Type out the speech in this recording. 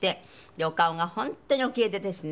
お顔が本当におキレイでですね。